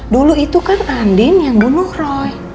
dulu itu kan andin yang dulu roy